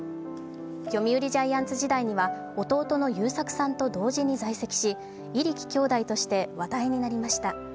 読売ジャイアンツ時代には弟の祐作さんと同時に在籍し、入来兄弟として話題になりました。